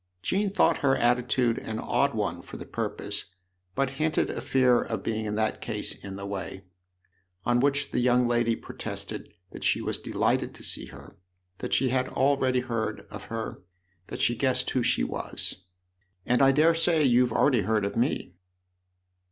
Jean thought her attitude an odd one for the purpose, but hinted a fear of being in that case in the way ; on which the young lady protested that she was de lighted to see her, that she had already heard of her, that she guessed who she was. " And I dare say you've already heard of me."